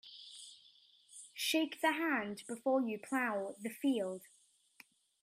Shake the hand before you plough the field.